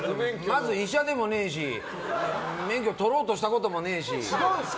まず、医者でもねえし免許取ろうとしたこともねえし。